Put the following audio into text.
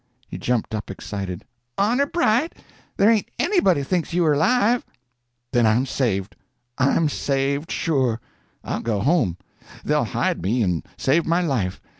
He jumped up, excited. "Honor bright. There ain't anybody thinks you are alive." "Then I'm saved, I'm saved, sure! I'll go home. They'll hide me and save my life.